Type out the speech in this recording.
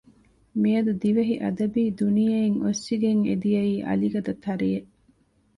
މިއަދު ދިވެހި އަދަބީ ދުނިޔެއިން އޮއްސިގެން އެ ދިޔައީ އަލިގަދަ ތަރިއެއް